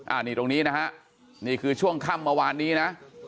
อันนี้ตรงนี้นะฮะนี่คือช่วงค่ำเมื่อวานนี้นะ